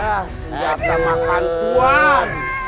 ah senjata mahaantuan